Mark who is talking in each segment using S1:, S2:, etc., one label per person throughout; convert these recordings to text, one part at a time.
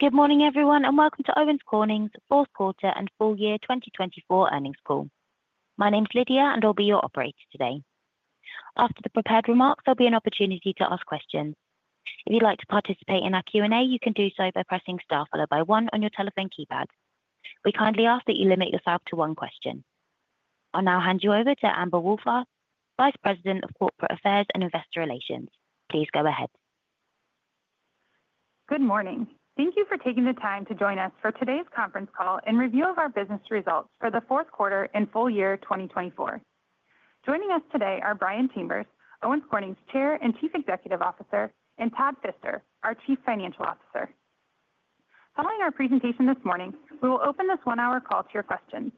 S1: Good morning, everyone, and welcome to Owens Corning's fourth quarter and full year 2024 earnings call. My name's Lydia, and I'll be your operator today. After the prepared remarks, there'll be an opportunity to ask questions. If you'd like to participate in our Q&A, you can do so by pressing star followed by one on your telephone keypad. We kindly ask that you limit yourself to one question. I'll now hand you over to Amber Wohlfarth, Vice President of Corporate Affairs and Investor Relations. Please go ahead.
S2: Good morning. Thank you for taking the time to join us for today's conference call and review of our business results for the fourth quarter and full year 2024. Joining us today are Brian Chambers, Owens Corning's Chair and Chief Executive Officer, and Todd Fister, our Chief Financial Officer. Following our presentation this morning, we will open this one-hour call to your questions.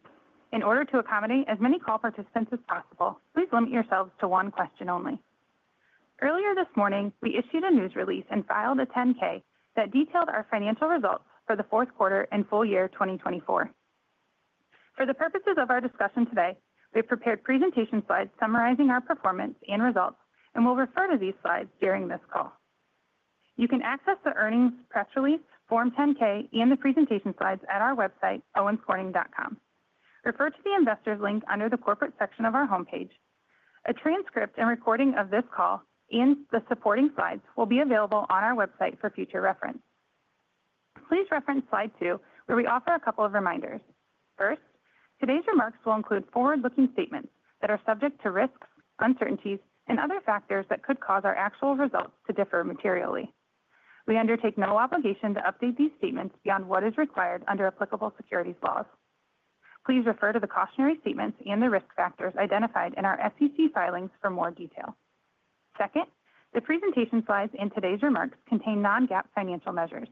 S2: In order to accommodate as many call participants as possible, please limit yourselves to one question only. Earlier this morning, we issued a news release and filed a 10-K that detailed our financial results for the fourth quarter and full year 2024. For the purposes of our discussion today, we've prepared presentation slides summarizing our performance and results, and we'll refer to these slides during this call. You can access the earnings press release, Form 10-K, and the presentation slides at our website, OwensCorning.com. Refer to the investors' link under the corporate section of our homepage. A transcript and recording of this call and the supporting slides will be available on our website for future reference. Please reference slide two, where we offer a couple of reminders. First, today's remarks will include forward-looking statements that are subject to risks, uncertainties, and other factors that could cause our actual results to differ materially. We undertake no obligation to update these statements beyond what is required under applicable securities laws. Please refer to the cautionary statements and the risk factors identified in our SEC filings for more detail. Second, the presentation slides and today's remarks contain non-GAAP financial measures.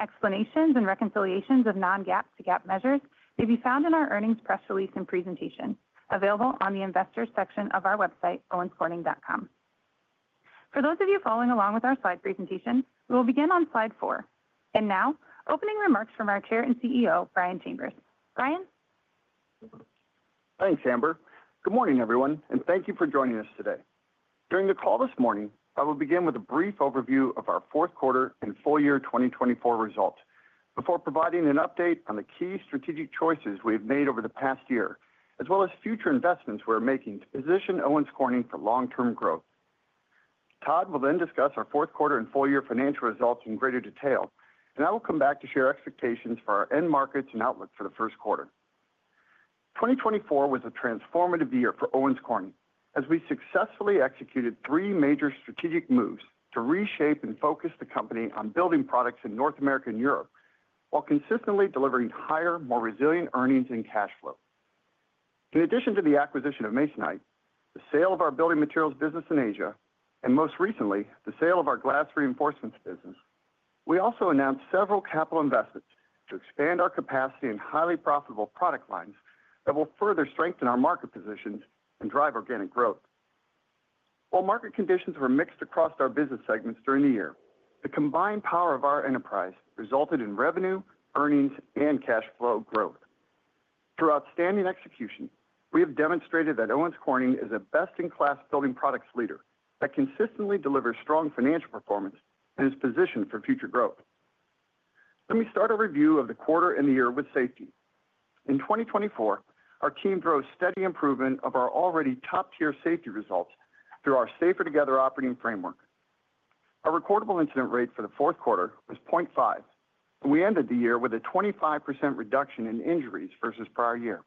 S2: Explanations and reconciliations of non-GAAP to GAAP measures may be found in our earnings press release and presentation, available on the investors' section of our website, OwensCorning.com. For those of you following along with our slide presentation, we will begin on slide four. And now, opening remarks from our Chair and CEO, Brian Chambers. Brian.
S3: Thanks, Amber. Good morning, everyone, and thank you for joining us today. During the call this morning, I will begin with a brief overview of our fourth quarter and full year 2024 results before providing an update on the key strategic choices we have made over the past year, as well as future investments we are making to position Owens Corning for long-term growth. Todd will then discuss our fourth quarter and full year financial results in greater detail, and I will come back to share expectations for our end markets and outlook for the first quarter. 2024 was a transformative year for Owens Corning as we successfully executed three major strategic moves to reshape and focus the company on building products in North America and Europe while consistently delivering higher, more resilient earnings and cash flow. In addition to the acquisition of Masonite, the sale of our Building Materials business in Asia, and most recently, the sale of our glass reinforcements business, we also announced several capital investments to expand our capacity and highly profitable product lines that will further strengthen our market positions and drive organic growth. While market conditions were mixed across our business segments during the year, the combined power of our enterprise resulted in revenue, earnings, and cash flow growth. Through outstanding execution, we have demonstrated that Owens Corning is a best-in-class building products leader that consistently delivers strong financial performance and is positioned for future growth. Let me start a review of the quarter and the year with safety. In 2024, our team drove steady improvement of our already top-tier safety results through our Safer Together operating framework. Our recordable incident rate for the fourth quarter was 0.5, and we ended the year with a 25% reduction in injuries versus prior year.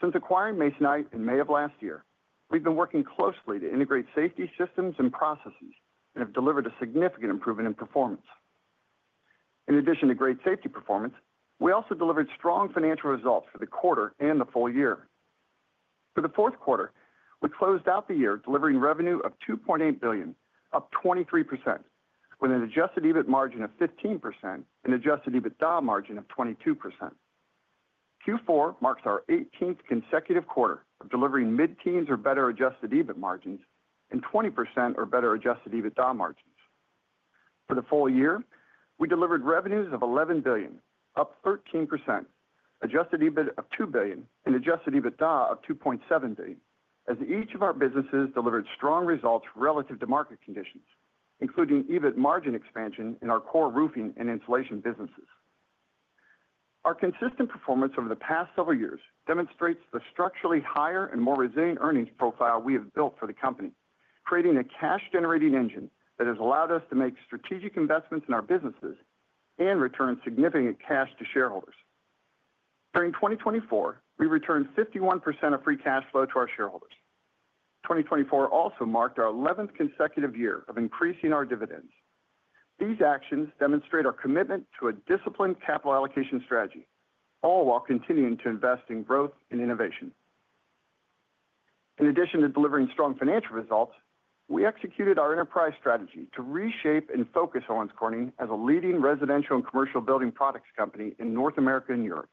S3: Since acquiring Masonite in May of last year, we've been working closely to integrate safety systems and processes and have delivered a significant improvement in performance. In addition to great safety performance, we also delivered strong financial results for the quarter and the full year. For the fourth quarter, we closed out the year delivering revenue of $2.8 billion, up 23%, with an adjusted EBIT margin of 15% and adjusted EBITDA margin of 22%. Q4 marks our 18th consecutive quarter of delivering mid-teens or better adjusted EBIT margins and 20% or better adjusted EBITDA margins. For the full year, we delivered revenues of $11 billion, up 13%, adjusted EBIT of $2 billion, and adjusted EBITDA of $2.7 billion, as each of our businesses delivered strong results relative to market conditions, including EBIT margin expansion in our core Roofing and Insulation businesses. Our consistent performance over the past several years demonstrates the structurally higher and more resilient earnings profile we have built for the company, creating a cash-generating engine that has allowed us to make strategic investments in our businesses and return significant cash to shareholders. During 2024, we returned 51% of free cash flow to our shareholders. 2024 also marked our 11th consecutive year of increasing our dividends. These actions demonstrate our commitment to a disciplined capital allocation strategy, all while continuing to invest in growth and innovation. In addition to delivering strong financial results, we executed our enterprise strategy to reshape and focus Owens Corning as a leading residential and commercial building products company in North America and Europe.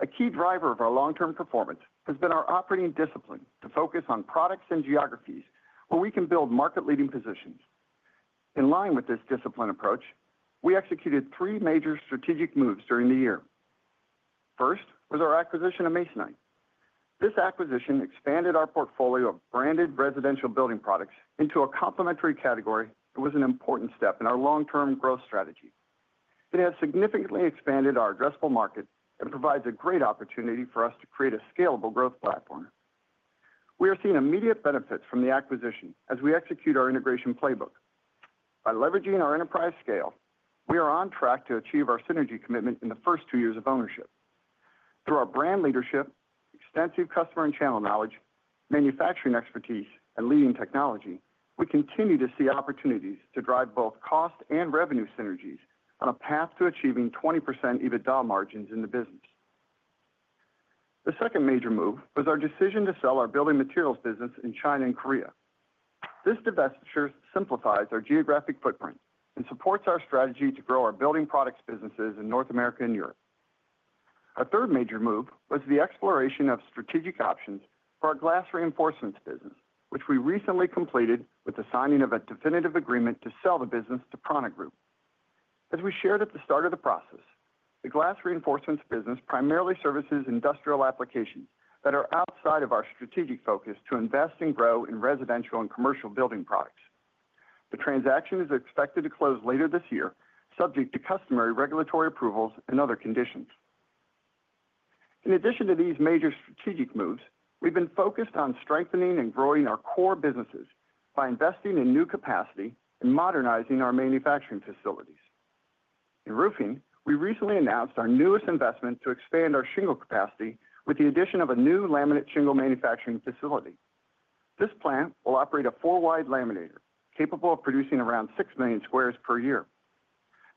S3: A key driver of our long-term performance has been our operating discipline to focus on products and geographies where we can build market-leading positions. In line with this disciplined approach, we executed three major strategic moves during the year. First was our acquisition of Masonite. This acquisition expanded our portfolio of branded residential building products into a complementary category and was an important step in our long-term growth strategy. It has significantly expanded our addressable market and provides a great opportunity for us to create a scalable growth platform. We are seeing immediate benefits from the acquisition as we execute our integration playbook. By leveraging our enterprise scale, we are on track to achieve our synergy commitment in the first two years of ownership. Through our brand leadership, extensive customer and channel knowledge, manufacturing expertise, and leading technology, we continue to see opportunities to drive both cost and revenue synergies on a path to achieving 20% EBITDA margins in the business. The second major move was our decision to sell our Building Materials business in China and Korea. This divestiture simplifies our geographic footprint and supports our strategy to grow our Building Products businesses in North America and Europe. Our third major move was the exploration of strategic options for our glass reinforcements business, which we recently completed with the signing of a definitive agreement to sell the business to Praana Group. As we shared at the start of the process, the glass reinforcements business primarily services industrial applications that are outside of our strategic focus to invest and grow in residential and commercial building products. The transaction is expected to close later this year, subject to customary regulatory approvals and other conditions. In addition to these major strategic moves, we've been focused on strengthening and growing our core businesses by investing in new capacity and modernizing our manufacturing facilities. In Roofing, we recently announced our newest investment to expand our shingle capacity with the addition of a new laminate shingle manufacturing facility. This plant will operate a four-wide laminator capable of producing around six million squares per year.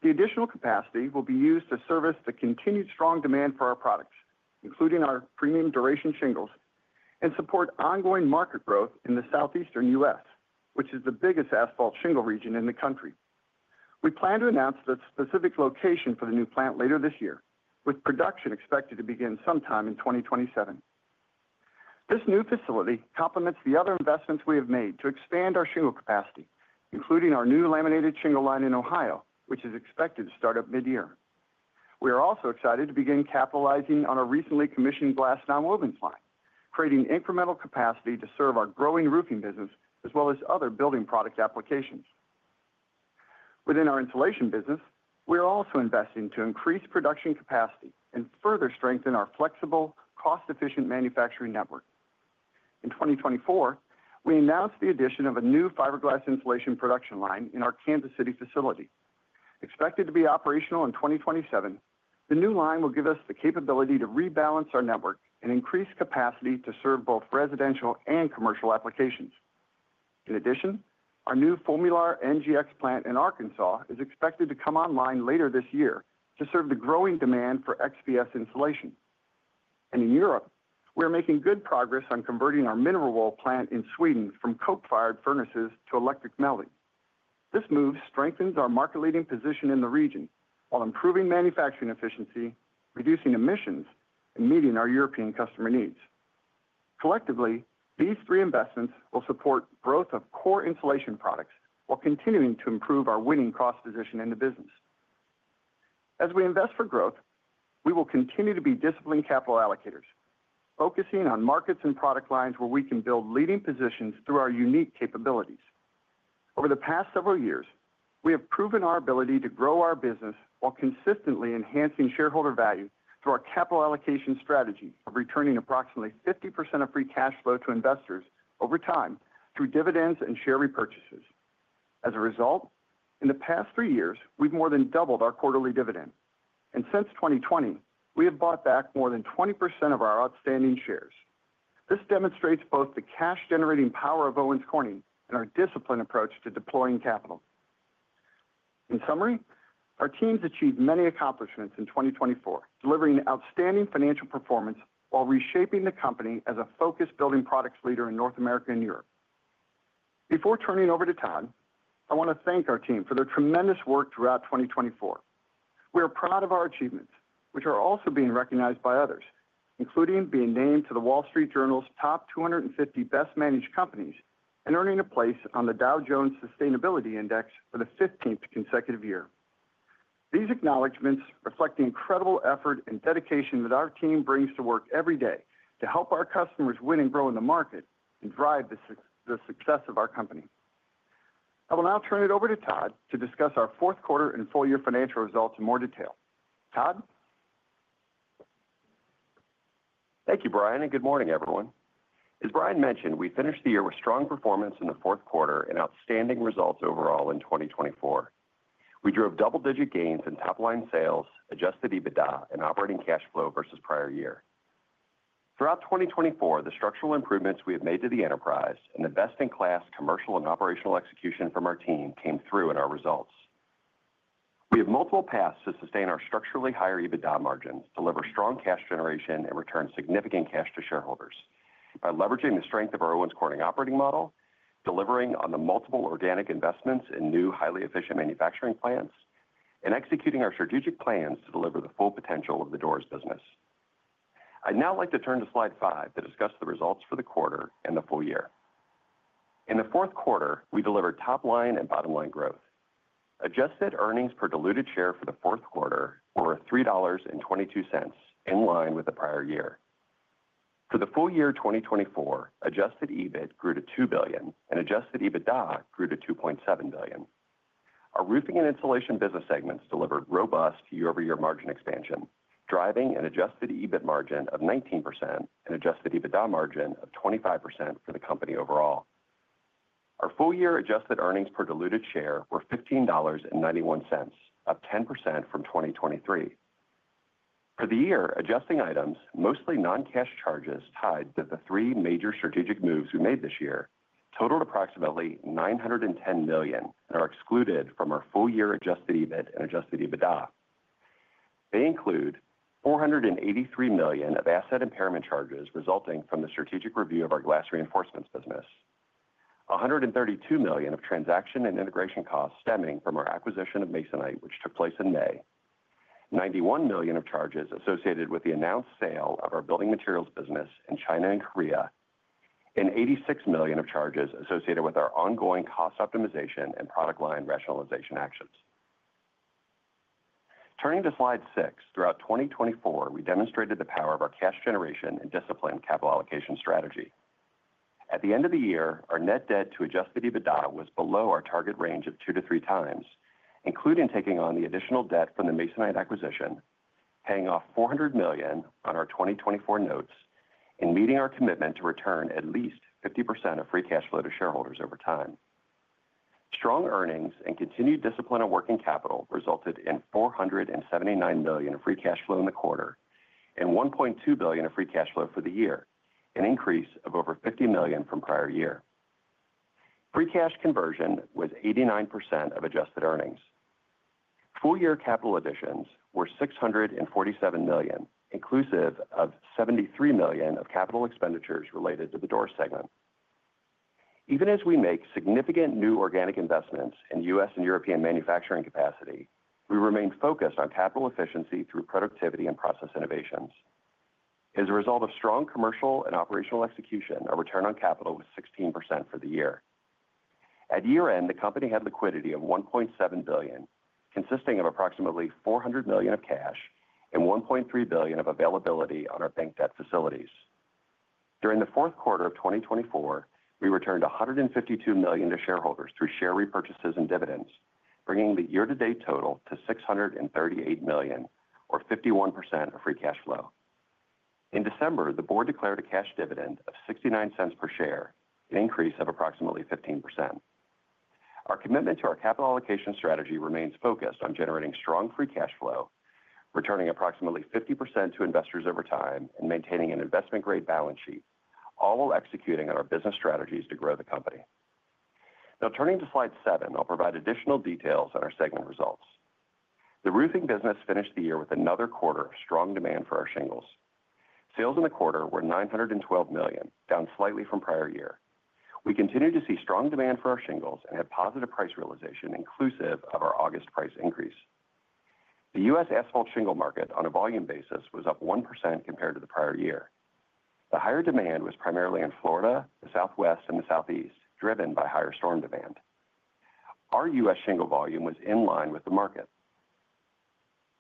S3: The additional capacity will be used to service the continued strong demand for our products, including our premium Duration shingles, and support ongoing market growth in the Southeast U.S., which is the biggest asphalt shingle region in the country. We plan to announce the specific location for the new plant later this year, with production expected to begin sometime in 2027. This new facility complements the other investments we have made to expand our shingle capacity, including our new laminate shingle line in Ohio, which is expected to start up mid-year. We are also excited to begin capitalizing on a recently commissioned glass non-woven line, creating incremental capacity to serve our growing Roofing business as well as other building product applications. Within our Insulation business, we are also investing to increase production capacity and further strengthen our flexible, cost-efficient manufacturing network. In 2024, we announced the addition of a new fiberglass Insulation production line in our Kansas City facility. Expected to be operational in 2027, the new line will give us the capability to rebalance our network and increase capacity to serve both residential and commercial applications. In addition, our new FOAMULAR NGX plant in Arkansas is expected to come online later this year to serve the growing demand for XPS Insulation. And in Europe, we are making good progress on converting our mineral wool plant in Sweden from coal-fired furnaces to electric melting. This move strengthens our market-leading position in the region while improving manufacturing efficiency, reducing emissions, and meeting our European customer needs. Collectively, these three investments will support growth of core Insulation products while continuing to improve our winning cost position in the business. As we invest for growth, we will continue to be disciplined capital allocators, focusing on markets and product lines where we can build leading positions through our unique capabilities. Over the past several years, we have proven our ability to grow our business while consistently enhancing shareholder value through our capital allocation strategy of returning approximately 50% of free cash flow to investors over time through dividends and share repurchases. As a result, in the past three years, we've more than doubled our quarterly dividend. And since 2020, we have bought back more than 20% of our outstanding shares. This demonstrates both the cash-generating power of Owens Corning and our disciplined approach to deploying capital. In summary, our teams achieved many accomplishments in 2024, delivering outstanding financial performance while reshaping the company as a focused building products leader in North America and Europe. Before turning over to Todd, I want to thank our team for their tremendous work throughout 2024. We are proud of our achievements, which are also being recognized by others, including being named to the Wall Street Journal's top 250 best-managed companies and earning a place on the Dow Jones Sustainability Index for the 15th consecutive year. These acknowledgments reflect the incredible effort and dedication that our team brings to work every day to help our customers win and grow in the market and drive the success of our company. I will now turn it over to Todd to discuss our fourth quarter and full year financial results in more detail. Todd?
S4: Thank you, Brian, and good morning, everyone. As Brian mentioned, we finished the year with strong performance in the fourth quarter and outstanding results overall in 2024. We drove double-digit gains in top-line sales, Adjusted EBITDA, and operating cash flow versus prior year. Throughout 2024, the structural improvements we have made to the enterprise and the best-in-class commercial and operational execution from our team came through in our results. We have multiple paths to sustain our structurally higher EBITDA margins, deliver strong cash generation, and return significant cash to shareholders by leveraging the strength of our Owens Corning operating model, delivering on the multiple organic investments in new highly efficient manufacturing plants, and executing our strategic plans to deliver the full potential of the Doors business. I'd now like to turn to slide five to discuss the results for the quarter and the full year. In the fourth quarter, we delivered top-line and bottom-line growth. Adjusted earnings per diluted share for the fourth quarter were $3.22, in line with the prior year. For the full year 2024, adjusted EBIT grew to $2 billion, and adjusted EBITDA grew to $2.7 billion. Our Roofing and Insulation business segments delivered robust year-over-year margin expansion, driving an adjusted EBIT margin of 19% and adjusted EBITDA margin of 25% for the company overall. Our full-year adjusted earnings per diluted share were $15.91, up 10% from 2023. For the year, adjusting items, mostly non-cash charges tied to the three major strategic moves we made this year, totaled approximately $910 million and are excluded from our full-year adjusted EBIT and adjusted EBITDA. They include $483 million of asset impairment charges resulting from the strategic review of our glass reinforcements business, $132 million of transaction and integration costs stemming from our acquisition of Masonite, which took place in May, $91 million of charges associated with the announced sale of our Building Materials business in China and Korea, and $86 million of charges associated with our ongoing cost optimization and product line rationalization actions. Turning to slide six, throughout 2024, we demonstrated the power of our cash generation and disciplined capital allocation strategy. At the end of the year, our net debt to Adjusted EBITDA was below our target range of two to three times, including taking on the additional debt from the Masonite acquisition, paying off $400 million on our 2024 notes, and meeting our commitment to return at least 50% of free cash flow to shareholders over time. Strong earnings and continued discipline of working capital resulted in $479 million of free cash flow in the quarter and $1.2 billion of free cash flow for the year, an increase of over $50 million from prior year. Free cash conversion was 89% of adjusted earnings. Full-year capital additions were $647 million, inclusive of $73 million of capital expenditures related to the Doors segment. Even as we make significant new organic investments in U.S. and European manufacturing capacity, we remain focused on capital efficiency through productivity and process innovations. As a result of strong commercial and operational execution, our return on capital was 16% for the year. At year-end, the company had liquidity of $1.7 billion, consisting of approximately $400 million of cash and $1.3 billion of availability on our bank debt facilities. During the fourth quarter of 2024, we returned $152 million to shareholders through share repurchases and dividends, bringing the year-to-date total to $638 million, or 51% of free cash flow. In December, the board declared a cash dividend of $0.69 per share, an increase of approximately 15%. Our commitment to our capital allocation strategy remains focused on generating strong free cash flow, returning approximately 50% to investors over time, and maintaining an investment-grade balance sheet, all while executing on our business strategies to grow the company. Now, turning to slide seven, I'll provide additional details on our segment results. The Roofing business finished the year with another quarter of strong demand for our shingles. Sales in the quarter were $912 million, down slightly from prior year. We continue to see strong demand for our shingles and have positive price realization, inclusive of our August price increase. The U.S. asphalt shingle market, on a volume basis, was up 1% compared to the prior year. The higher demand was primarily in Florida, the Southwest, and the Southeast, driven by higher storm demand. Our U.S. shingle volume was in line with the market.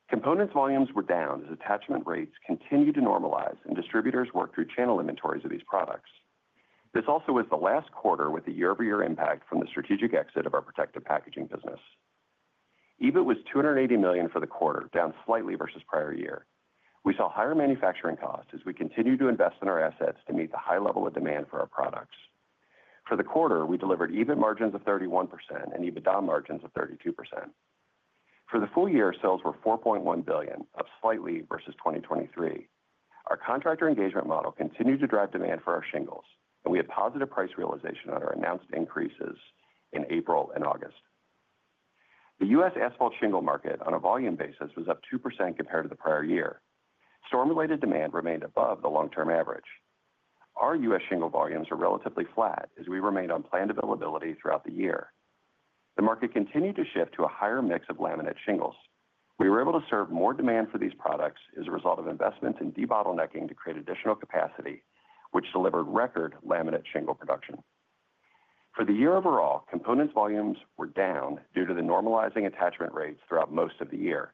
S4: Components volumes were down as attachment rates continued to normalize and distributors worked through channel inventories of these products. This also was the last quarter with the year-over-year impact from the strategic exit of our protective packaging business. EBIT was $280 million for the quarter, down slightly versus prior year. We saw higher manufacturing costs as we continued to invest in our assets to meet the high level of demand for our products. For the quarter, we delivered EBIT margins of 31% and EBITDA margins of 32%. For the full year, sales were $4.1 billion, up slightly versus 2023. Our contractor engagement model continued to drive demand for our shingles, and we had positive price realization on our announced increases in April and August. The U.S. asphalt shingle market, on a volume basis, was up 2% compared to the prior year. Storm-related demand remained above the long-term average. Our U.S. shingle volumes were relatively flat as we remained on planned availability throughout the year. The market continued to shift to a higher mix of laminate shingles. We were able to serve more demand for these products as a result of investments in debottlenecking to create additional capacity, which delivered record laminate shingle production. For the year overall, Composites volumes were down due to the normalizing attachment rates throughout most of the year.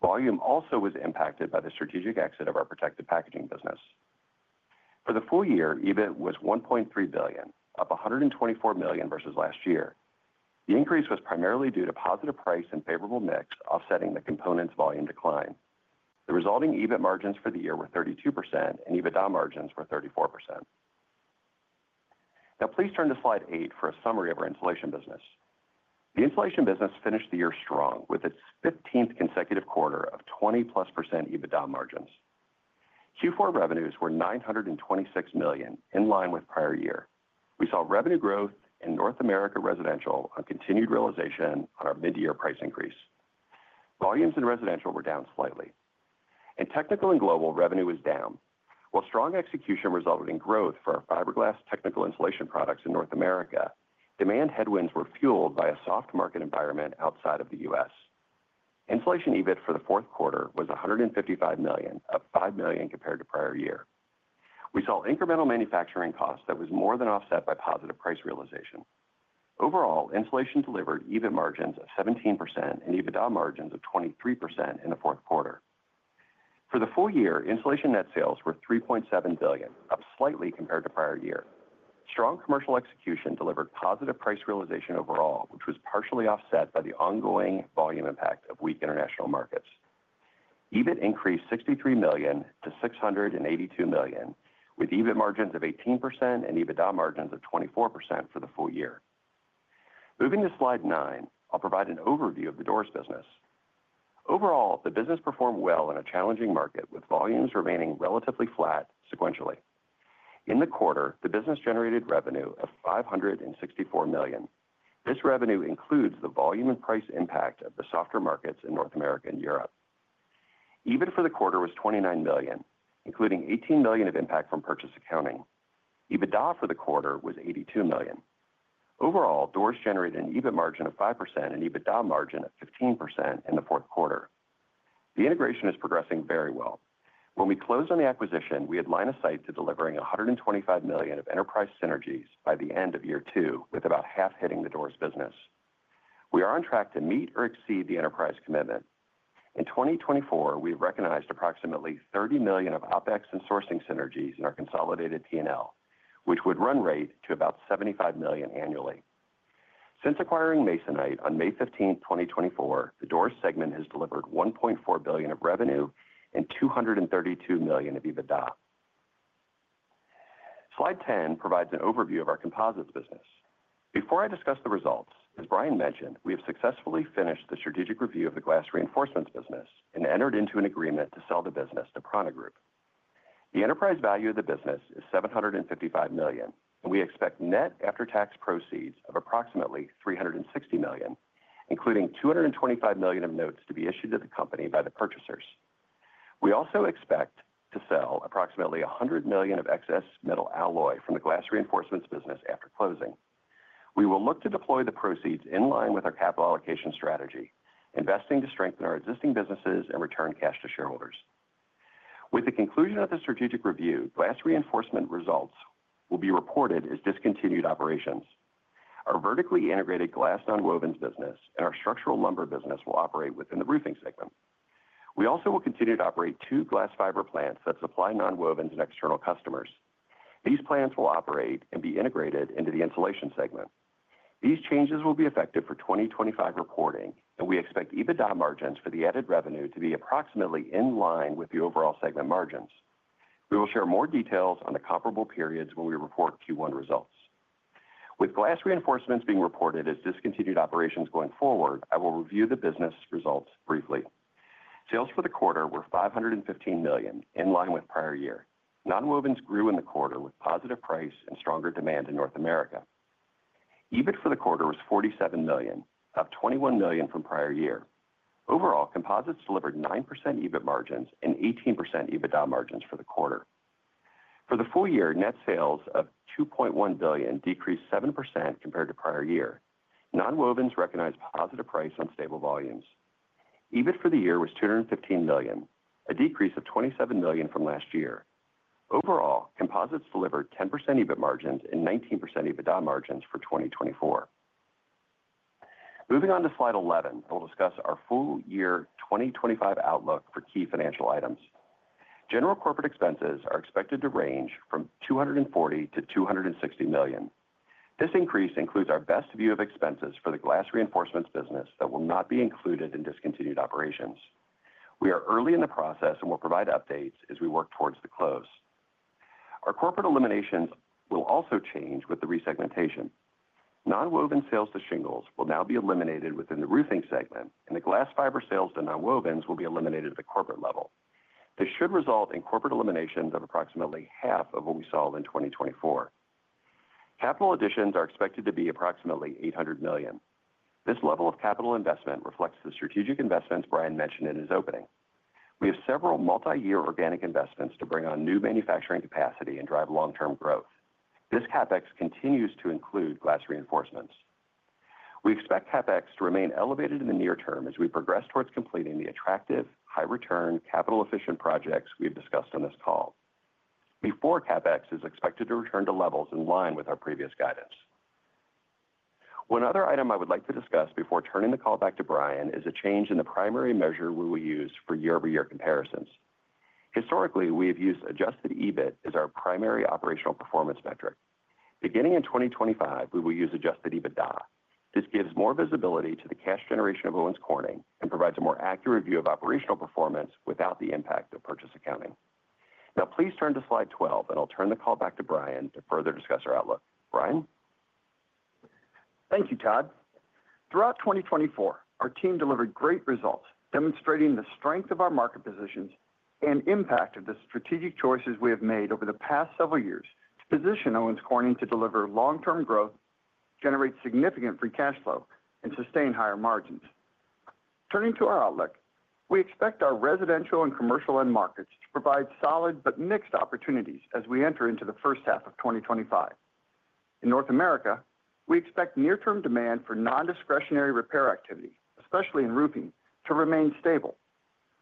S4: Volume also was impacted by the strategic exit of our protective packaging business. For the full year, EBIT was $1.3 billion, up $124 million versus last year. The increase was primarily due to positive price and favorable mix, offsetting the components volume decline. The resulting EBIT margins for the year were 32%, and EBITDA margins were 34%. Now, please turn to slide eight for a summary of our Insulation business. The Insulation business finished the year strong with its 15th consecutive quarter of 20%+ EBITDA margins. Q4 revenues were $926 million, in line with prior year. We saw revenue growth in North America residential on continued realization on our mid-year price increase. Volumes in residential were down slightly. In Technical and Global, revenue was down. While strong execution resulted in growth for our fiberglass technical Insulation products in North America, demand headwinds were fueled by a soft market environment outside of the U.S. Insulation EBIT for the fourth quarter was $155 million, up $5 million compared to prior year. We saw incremental manufacturing costs that was more than offset by positive price realization. Overall, Insulation delivered EBIT margins of 17% and EBITDA margins of 23% in the fourth quarter. For the full year, Insulation net sales were $3.7 billion, up slightly compared to prior year. Strong commercial execution delivered positive price realization overall, which was partially offset by the ongoing volume impact of weak international markets. EBIT increased $63 million to $682 million, with EBIT margins of 18% and EBITDA margins of 24% for the full year. Moving to slide nine, I'll provide an overview of the Doors business. Overall, the business performed well in a challenging market, with volumes remaining relatively flat sequentially. In the quarter, the business generated revenue of $564 million. This revenue includes the volume and price impact of the softer markets in North America and Europe. EBIT for the quarter was $29 million, including $18 million of impact from purchase accounting. EBITDA for the quarter was $82 million. Overall, Doors generated an EBIT margin of 5% and EBITDA margin of 15% in the fourth quarter. The integration is progressing very well. When we closed on the acquisition, we had outlined a path to delivering $125 million of enterprise synergies by the end of year two, with about half hitting the Doors business. We are on track to meet or exceed the enterprise commitment. In 2024, we have recognized approximately $30 million of OpEx and sourcing synergies in our consolidated P&L, which would run rate to about $75 million annually. Since acquiring Masonite on May 15, 2024, the Doors segment has delivered $1.4 billion of revenue and $232 million of EBITDA. Slide 10 provides an overview of our Composites business. Before I discuss the results, as Brian mentioned, we have successfully finished the strategic review of the glass reinforcements business and entered into an agreement to sell the business to Praana Group. The enterprise value of the business is $755 million, and we expect net after-tax proceeds of approximately $360 million, including $225 million of notes to be issued to the company by the purchasers. We also expect to sell approximately $100 million of excess metal alloy from the glass reinforcements business after closing. We will look to deploy the proceeds in line with our capital allocation strategy, investing to strengthen our existing businesses and return cash to shareholders. With the conclusion of the strategic review, glass reinforcement results will be reported as discontinued operations. Our vertically integrated glass nonwovens business and our structural lumber business will operate within the Roofing segment. We also will continue to operate two glass fiber plants that supply nonwovens and external customers. These plants will operate and be integrated into the Insulation segment. These changes will be effective for 2025 reporting, and we expect EBITDA margins for the added revenue to be approximately in line with the overall segment margins. We will share more details on the comparable periods when we report Q1 results. With glass reinforcements being reported as discontinued operations going forward, I will review the business results briefly. Sales for the quarter were $515 million, in line with prior year. Nonwovens grew in the quarter with positive price and stronger demand in North America. EBIT for the quarter was $47 million, up $21 million from prior year. Overall, Composites delivered 9% EBIT margins and 18% EBITDA margins for the quarter. For the full year, net sales of $2.1 billion decreased 7% compared to prior year. Nonwovens recognized positive price on stable volumes. EBIT for the year was $215 million, a decrease of $27 million from last year. Overall, Composites delivered 10% EBIT margins and 19% EBITDA margins for 2024. Moving on to slide 11, I will discuss our full year 2025 outlook for key financial items. General corporate expenses are expected to range $240 million-$260 million. This increase includes our best view of expenses for the glass reinforcements business that will not be included in discontinued operations. We are early in the process and will provide updates as we work towards the close. Our corporate eliminations will also change with the resegmentation. Nonwovens sales to shingles will now be eliminated within the Roofing segment, and the glass fiber sales to nonwovens will be eliminated at the corporate level. This should result in corporate eliminations of approximately half of what we saw in 2024. Capital additions are expected to be approximately $800 million. This level of capital investment reflects the strategic investments Brian mentioned in his opening. We have several multi-year organic investments to bring on new manufacturing capacity and drive long-term growth. This CapEx continues to include glass reinforcements. We expect CapEx to remain elevated in the near term as we progress towards completing the attractive, high-return, capital-efficient projects we have discussed on this call. Before CapEx is expected to return to levels in line with our previous guidance. One other item I would like to discuss before turning the call back to Brian is a change in the primary measure we will use for year-over-year comparisons. Historically, we have used Adjusted EBIT as our primary operational performance metric. Beginning in 2025, we will use Adjusted EBITDA. This gives more visibility to the cash generation of Owens Corning and provides a more accurate view of operational performance without the impact of purchase accounting. Now, please turn to slide 12, and I'll turn the call back to Brian to further discuss our outlook. Brian?
S3: Thank you, Todd. Throughout 2024, our team delivered great results, demonstrating the strength of our market positions and impact of the strategic choices we have made over the past several years to position Owens Corning to deliver long-term growth, generate significant free cash flow, and sustain higher margins. Turning to our outlook, we expect our residential and commercial end markets to provide solid but mixed opportunities as we enter into the first half of 2025. In North America, we expect near-term demand for non-discretionary repair activity, especially in Roofing, to remain stable,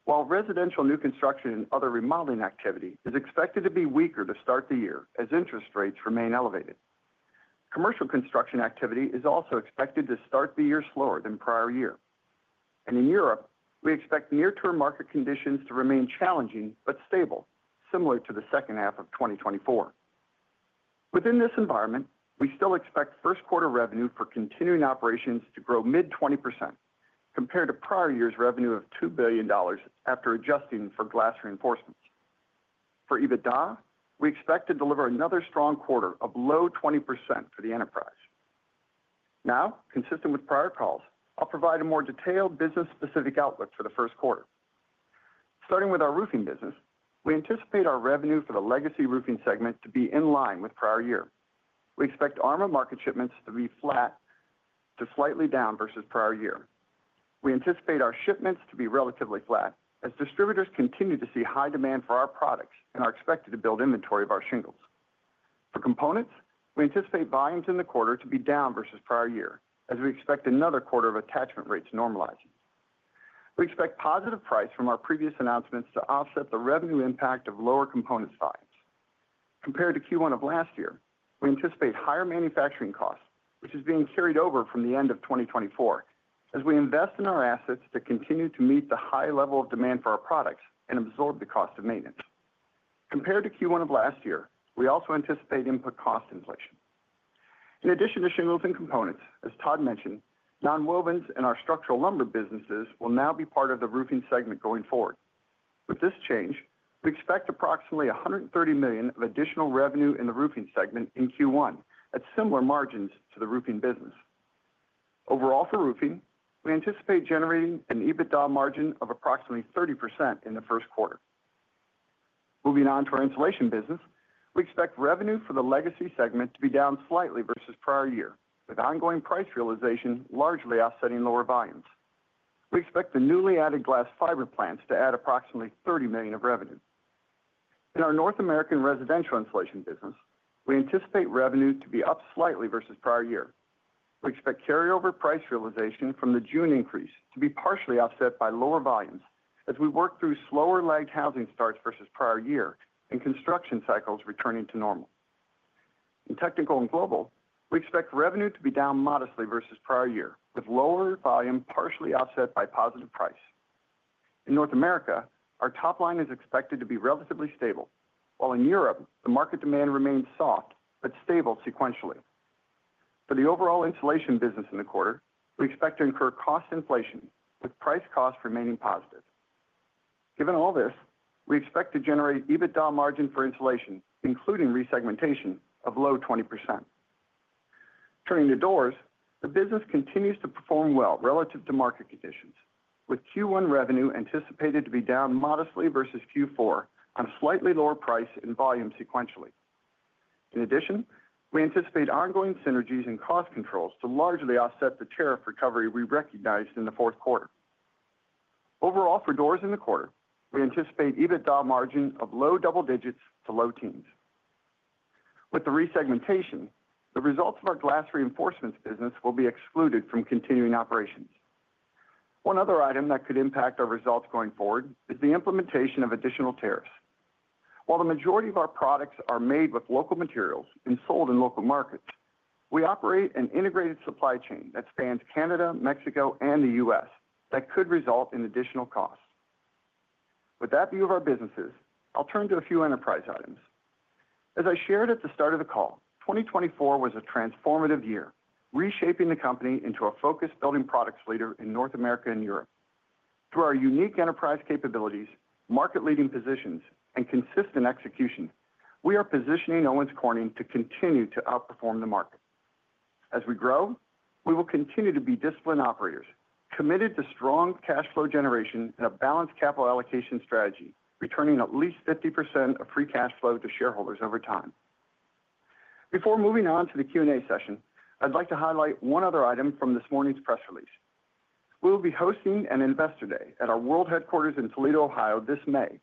S3: while residential new construction and other remodeling activity is expected to be weaker to start the year as interest rates remain elevated. Commercial construction activity is also expected to start the year slower than prior year. In Europe, we expect near-term market conditions to remain challenging but stable, similar to the second half of 2024. Within this environment, we still expect first-quarter revenue for continuing operations to grow mid-20% compared to prior year's revenue of $2 billion after adjusting for glass reinforcements. For EBITDA, we expect to deliver another strong quarter of low 20% for the enterprise. Now, consistent with prior calls, I'll provide a more detailed business-specific outlook for the first quarter. Starting with our Roofing business, we anticipate our revenue for the legacy Roofing segment to be in line with prior year. We expect asphalt market shipments to be flat to slightly down versus prior year. We anticipate our shipments to be relatively flat as distributors continue to see high demand for our products and are expected to build inventory of our shingles. For components, we anticipate volumes in the quarter to be down versus prior year as we expect another quarter of attachment rates normalizing. We expect positive price from our previous announcements to offset the revenue impact of lower components volumes. Compared to Q1 of last year, we anticipate higher manufacturing costs, which is being carried over from the end of 2024, as we invest in our assets to continue to meet the high level of demand for our products and absorb the cost of maintenance. Compared to Q1 of last year, we also anticipate input cost inflation. In addition to shingles and components, as Todd mentioned, nonwovens and our structural lumber businesses will now be part of the Roofing segment going forward. With this change, we expect approximately $130 million of additional revenue in the Roofing segment in Q1 at similar margins to the Roofing business. Overall, for Roofing, we anticipate generating an EBITDA margin of approximately 30% in the first quarter. Moving on to our Insulation business, we expect revenue for the legacy segment to be down slightly versus prior year, with ongoing price realization largely offsetting lower volumes. We expect the newly added glass fiber plants to add approximately $30 million of revenue. In our North American residential Insulation business, we anticipate revenue to be up slightly versus prior year. We expect carryover price realization from the June increase to be partially offset by lower volumes as we work through slower-lagged housing starts versus prior year and construction cycles returning to normal. In Technical and Global, we expect revenue to be down modestly versus prior year, with lower volume partially offset by positive price. In North America, our top line is expected to be relatively stable, while in Europe, the market demand remains soft but stable sequentially. For the overall Insulation business in the quarter, we expect to incur cost inflation, with price costs remaining positive. Given all this, we expect to generate EBITDA margin for Insulation, including resegmentation, of low 20%. Turning to Doors, the business continues to perform well relative to market conditions, with Q1 revenue anticipated to be down modestly versus Q4 on slightly lower price and volume sequentially. In addition, we anticipate ongoing synergies and cost controls to largely offset the tariff recovery we recognized in the fourth quarter. Overall, for Doors in the quarter, we anticipate EBITDA margin of low double digits to low teens. With the resegmentation, the results of our glass reinforcements business will be excluded from continuing operations. One other item that could impact our results going forward is the implementation of additional tariffs. While the majority of our products are made with local materials and sold in local markets, we operate an integrated supply chain that spans Canada, Mexico, and the U.S. that could result in additional costs. With that view of our businesses, I'll turn to a few enterprise items. As I shared at the start of the call, 2024 was a transformative year, reshaping the company into a focused building products leader in North America and Europe. Through our unique enterprise capabilities, market-leading positions, and consistent execution, we are positioning Owens Corning to continue to outperform the market. As we grow, we will continue to be disciplined operators, committed to strong cash flow generation and a balanced capital allocation strategy, returning at least 50% of free cash flow to shareholders over time. Before moving on to the Q&A session, I'd like to highlight one other item from this morning's press release. We will be hosting an Investor Day at our world headquarters in Toledo, Ohio, this May.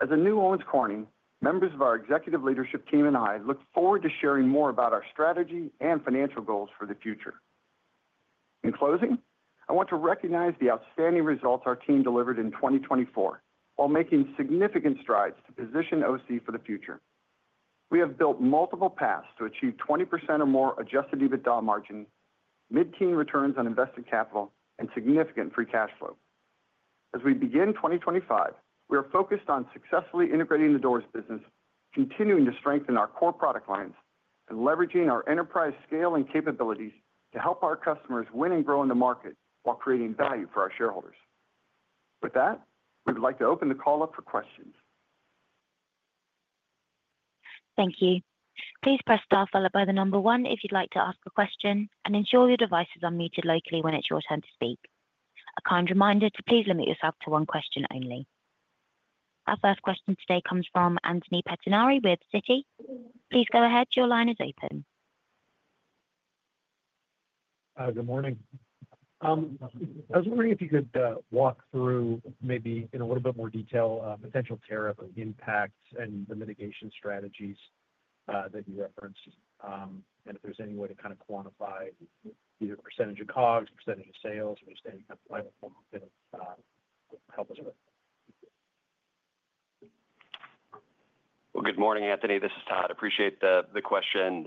S3: As a new Owens Corning, members of our executive leadership team and I look forward to sharing more about our strategy and financial goals for the future. In closing, I want to recognize the outstanding results our team delivered in 2024 while making significant strides to position OC for the future. We have built multiple paths to achieve 20% or more adjusted EBITDA margin, mid-teens returns on invested capital, and significant free cash flow. As we begin 2025, we are focused on successfully integrating the Doors business, continuing to strengthen our core product lines, and leveraging our enterprise scale and capabilities to help our customers win and grow in the market while creating value for our shareholders. With that, we would like to open the call up for questions.
S1: Thank you. Please press star followed by the number one if you'd like to ask a question, and ensure your device is unmuted locally when it's your turn to speak. A kind reminder to please limit yourself to one question only. Our first question today comes from Anthony Pettinari with Citi. Please go ahead. Your line is open.
S5: Good morning. I was wondering if you could walk through maybe in a little bit more detail potential tariff impacts and the mitigation strategies that you referenced, and if there's any way to kind of quantify either percentage of cost, percentage of sales, or just any kind of final form that will help us with.
S4: Good morning, Anthony. This is Todd. I appreciate the question.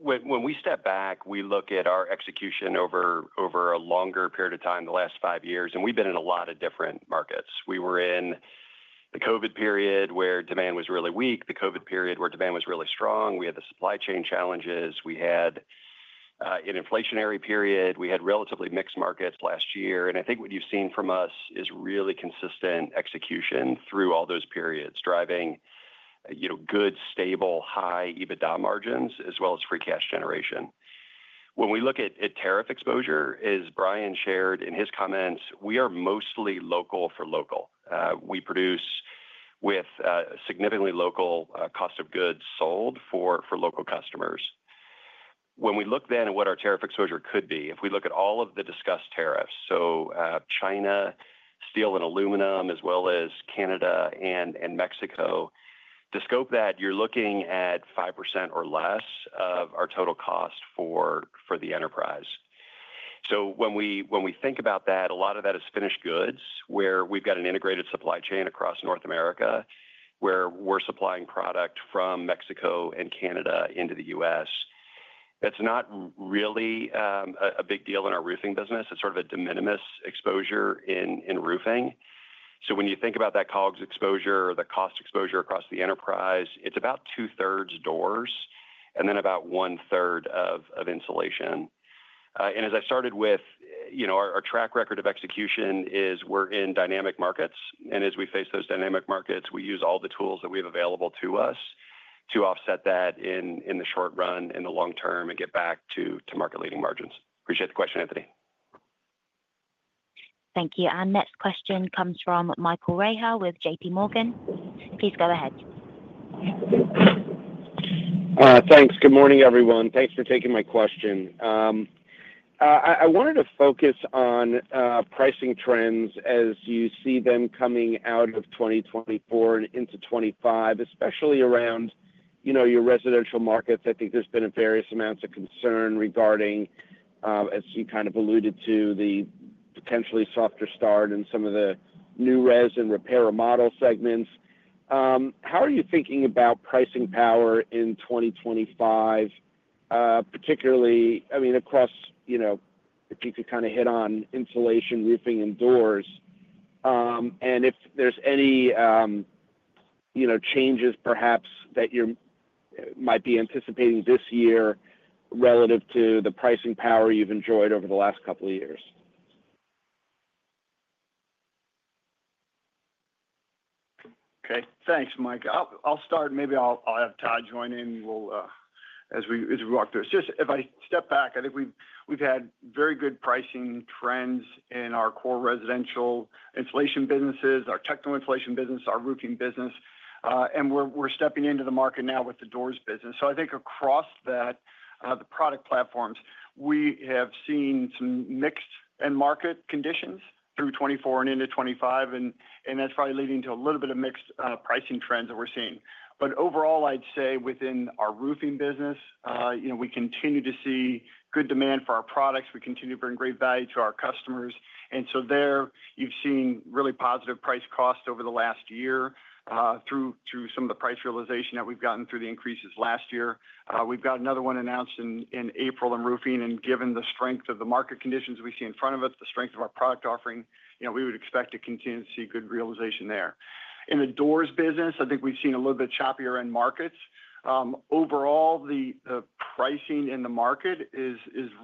S4: When we step back, we look at our execution over a longer period of time, the last five years, and we've been in a lot of different markets. We were in the COVID period where demand was really weak, the COVID period where demand was really strong. We had the supply chain challenges. We had an inflationary period. We had relatively mixed markets last year. And I think what you've seen from us is really consistent execution through all those periods, driving good, stable, high EBITDA margins as well as free cash generation. When we look at tariff exposure, as Brian shared in his comments, we are mostly local for local. We produce with significantly local cost of goods sold for local customers. When we look then at what our tariff exposure could be, if we look at all of the discussed tariffs, so China, steel, and aluminum, as well as Canada and Mexico, to scope that, you're looking at 5% or less of our total cost for the enterprise. So when we think about that, a lot of that is finished goods where we've got an integrated supply chain across North America where we're supplying product from Mexico and Canada into the U.S. That's not really a big deal in our Roofing business. It's sort of a de minimis exposure in Roofing. So when you think about that cost exposure or the cost exposure across the enterprise, it's about two-thirds Doors and then about one-third of Insulation. And as I started with, our track record of execution is we're in dynamic markets. And as we face those dynamic markets, we use all the tools that we have available to us to offset that in the short run, in the long term, and get back to market-leading margins. Appreciate the question, Anthony.
S1: Thank you. Our next question comes from Michael Rehaut with JPMorgan. Please go ahead.
S6: Thanks. Good morning, everyone. Thanks for taking my question. I wanted to focus on pricing trends as you see them coming out of 2024 and into 2025, especially around your residential markets. I think there's been various amounts of concern regarding, as you kind of alluded to, the potentially softer start in some of the new res and repair remodel segments. How are you thinking about pricing power in 2025, particularly, I mean, across if you could kind of hit on Insulation, Roofing, and Doors? And if there's any changes, perhaps, that you might be anticipating this year relative to the pricing power you've enjoyed over the last couple of years.
S3: Okay. Thanks, Mike. I'll start. Maybe I'll have Todd join in as we walk through. It's just if I step back, I think we've had very good pricing trends in our core residential Insulation businesses, our technical Insulation business, our Roofing business, and we're stepping into the market now with the Doors business. So I think across the product platforms, we have seen some mixed end market conditions through 2024 and into 2025, and that's probably leading to a little bit of mixed pricing trends that we're seeing. But overall, I'd say within our Roofing business, we continue to see good demand for our products. We continue to bring great value to our customers. And so there, you've seen really positive price cost over the last year through some of the price realization that we've gotten through the increases last year. We've got another one announced in April in Roofing. And given the strength of the market conditions we see in front of us, the strength of our product offering, we would expect to continue to see good realization there. In the Doors business, I think we've seen a little bit choppier end markets. Overall, the pricing in the market is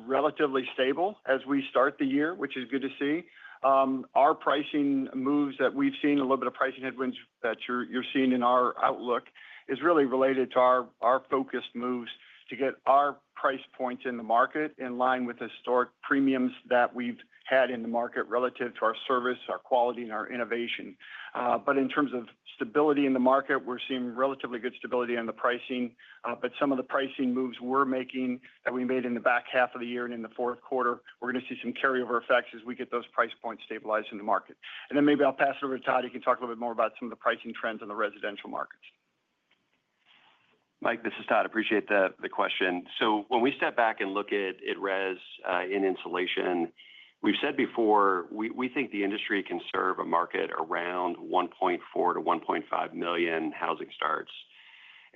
S3: relatively stable as we start the year, which is good to see. Our pricing moves that we've seen, a little bit of pricing headwinds that you're seeing in our outlook, is really related to our focused moves to get our price points in the market in line with historic premiums that we've had in the market relative to our service, our quality, and our innovation. But in terms of stability in the market, we're seeing relatively good stability in the pricing. But some of the pricing moves we're making that we made in the back half of the year and in the fourth quarter, we're going to see some carryover effects as we get those price points stabilized in the market. And then maybe I'll pass it over to Todd. He can talk a little bit more about some of the pricing trends in the residential markets.
S4: Mike, this is Todd. Appreciate the question. So when we step back and look at res in Insulation, we've said before we think the industry can serve a market around 1.4 million-1.5 million housing starts.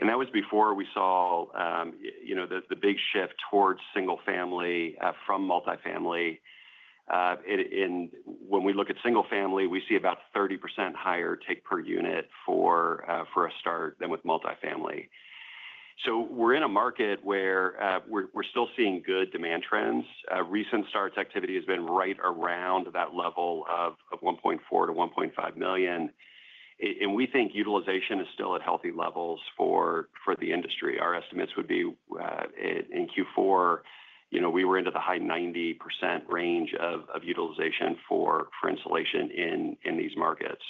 S4: And that was before we saw the big shift towards single-family from multifamily. And when we look at single-family, we see about 30% higher take per unit for a start than with multifamily. So we're in a market where we're still seeing good demand trends. Recent starts activity has been right around that level of 1.4 million-1.5 million. And we think utilization is still at healthy levels for the industry. Our estimates would be in Q4, we were into the high 90% range of utilization for Insulation in these markets.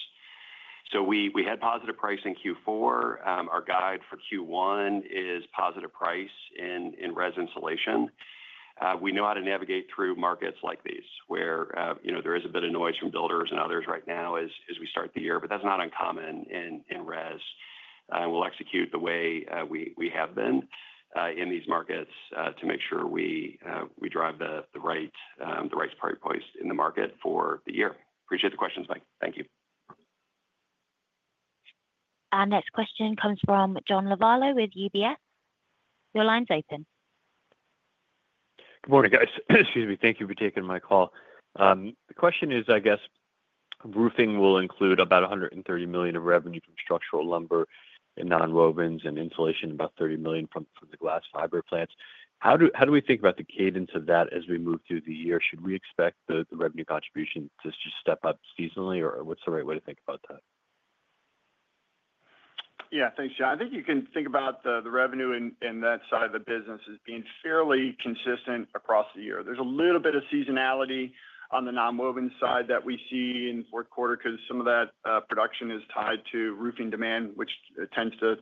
S4: So we had positive price in Q4. Our guide for Q1 is positive price in res Insulation. We know how to navigate through markets like these where there is a bit of noise from builders and others right now as we start the year, but that's not uncommon in res. And we'll execute the way we have been in these markets to make sure we drive the right price points in the market for the year. Appreciate the questions, Mike. Thank you.
S1: Our next question comes from John Lovallo with UBS. Your line's open.
S7: Good morning, guys. Excuse me. Thank you for taking my call. The question is, I guess, Roofing will include about $130 million of revenue from structural lumber and nonwovens and Insulation, about $30 million from the glass fiber plants. How do we think about the cadence of that as we move through the year? Should we expect the revenue contribution to just step up seasonally, or what's the right way to think about that?
S3: Yeah. Thanks, John. I think you can think about the revenue in that side of the business as being fairly consistent across the year. There's a little bit of seasonality on the nonwovens side that we see in the fourth quarter because some of that production is tied to Roofing demand, which tends to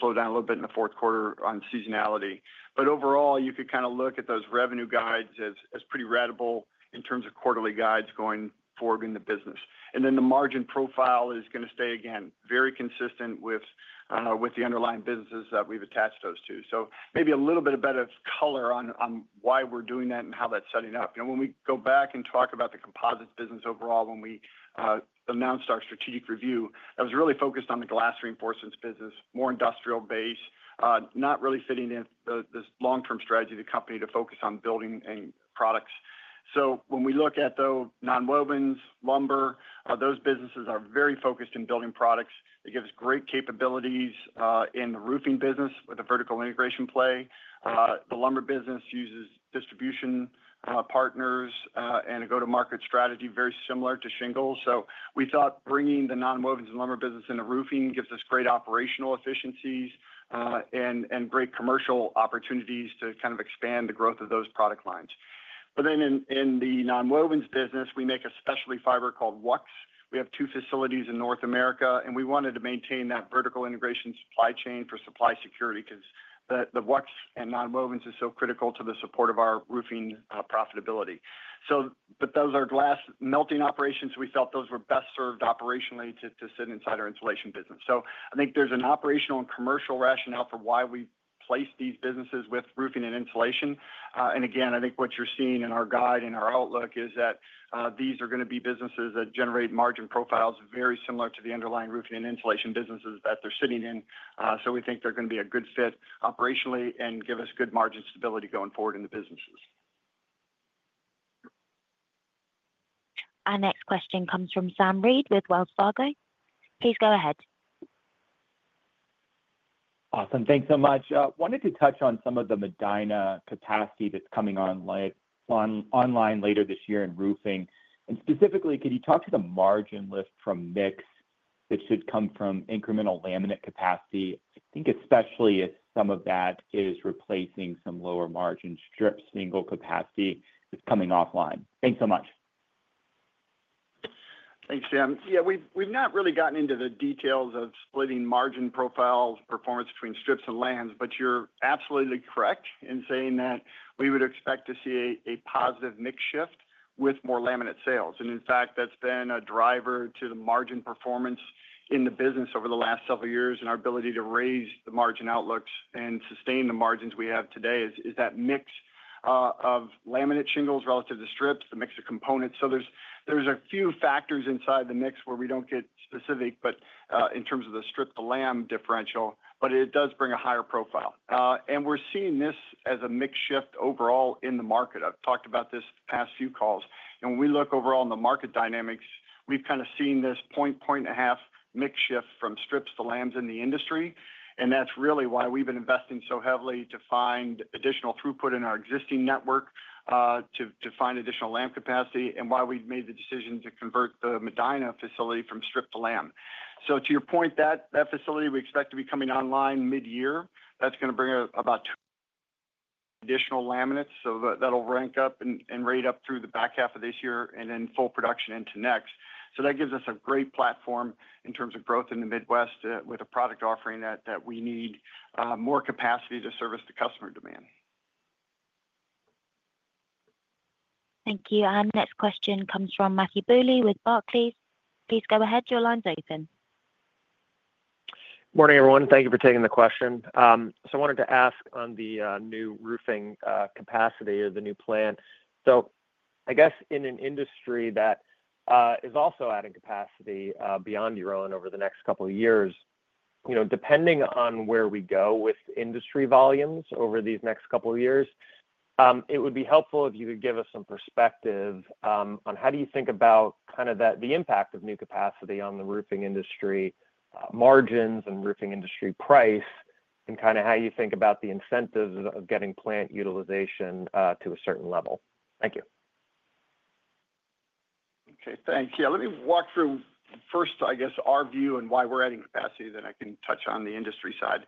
S3: slow down a little bit in the fourth quarter on seasonality. But overall, you could kind of look at those revenue guides as pretty readable in terms of quarterly guides going forward in the business. And then the margin profile is going to stay, again, very consistent with the underlying businesses that we've attached those to. So maybe a little bit of better color on why we're doing that and how that's setting up. When we go back and talk about the Composites business overall, when we announced our strategic review, that was really focused on the glass reinforcements business, more industrial-based, not really fitting in the long-term strategy of the company to focus on building and products. So when we look at those nonwovens, lumber, those businesses are very focused in building products. It gives great capabilities in the Roofing business with a vertical integration play. The lumber business uses distribution partners and a go-to-market strategy very similar to Shingles. So we thought bringing the non-woven and lumber business into Roofing gives us great operational efficiencies and great commercial opportunities to kind of expand the growth of those product lines. But then in the non-woven business, we make a specialty fiber called WUCS. We have two facilities in North America, and we wanted to maintain that vertical integration supply chain for supply security because the nonwovens is so critical to the support of our Roofing profitability. But those are glass melting operations. We felt those were best served operationally to sit inside our Insulation business. So I think there's an operational and commercial rationale for why we place these businesses with Roofing and Insulation. And again, I think what you're seeing in our guide and our outlook is that these are going to be businesses that generate margin profiles very similar to the underlying Roofing and Insulation businesses that they're sitting in. So we think they're going to be a good fit operationally and give us good margin stability going forward in the businesses.
S1: Our next question comes from Sam Reid with Wells Fargo. Please go ahead.
S8: Awesome. Thanks so much. I wanted to touch on some of the Medina capacity that's coming online later this year in Roofing. And specifically, could you talk to the margin lift from mix that should come from incremental laminate capacity? I think especially if some of that is replacing some lower margin strip shingle capacity that's coming offline? Thanks so much.
S3: Thanks, Sam. Yeah, we've not really gotten into the details of splitting margin profile performance between strips and laminates, but you're absolutely correct in saying that we would expect to see a positive mix shift with more laminate sales. And in fact, that's been a driver to the margin performance in the business over the last several years and our ability to raise the margin outlooks and sustain the margins we have today is that mix of laminate shingles relative to strips, the mix of components. So there's a few factors inside the mix where we don't get specific, but in terms of the strip to lam differential, but it does bring a higher profile. And we're seeing this as a mix shift overall in the market. I've talked about this past few calls. And when we look overall in the market dynamics, we've kind of seen this point, point and a half mix shift from strips to lams in the industry. And that's really why we've been investing so heavily to find additional throughput in our existing network to find additional lam capacity and why we've made the decision to convert the Medina facility from strip to lam. So to your point, that facility we expect to be coming online mid-year. That's going to bring about additional laminates. So that'll ramp up and ramp up through the back half of this year and then full production into next. So that gives us a great platform in terms of growth in the Midwest with a product offering that we need more capacity to service the customer demand.
S1: Thank you. Our next question comes from Matthew Bouley with Barclays. Please go ahead. Your line's open.
S9: Morning, everyone. Thank you for taking the question. So I wanted to ask on the new Roofing capacity or the new plant. So I guess in an industry that is also adding capacity beyond your own over the next couple of years, depending on where we go with industry volumes over these next couple of years, it would be helpful if you could give us some perspective on how do you think about kind of the impact of new capacity on the Roofing industry margins and Roofing industry price and kind of how you think about the incentives of getting plant utilization to a certain level? Thank you.
S3: Okay. Thanks. Yeah. Let me walk through first, I guess, our view and why we're adding capacity, then I can touch on the industry side.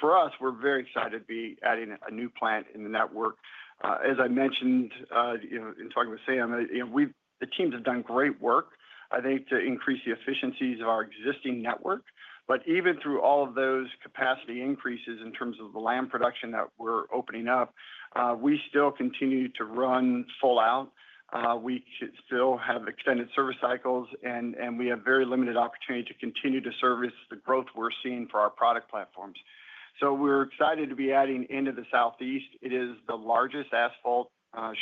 S3: For us, we're very excited to be adding a new plant in the network. As I mentioned in talking with Sam, the teams have done great work, I think, to increase the efficiencies of our existing network. But even through all of those capacity increases in terms of the laminate production that we're opening up, we still continue to run full out. We still have extended service cycles, and we have very limited opportunity to continue to service the growth we're seeing for our product platforms. So we're excited to be adding into the Southeast. It is the largest asphalt